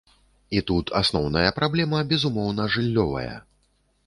І тут асноўная праблема, безумоўна, жыллёвая.